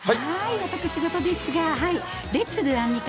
私ごとですが、レッツ・ドゥ・アンミカ！